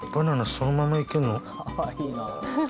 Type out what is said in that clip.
そのまま行けるの？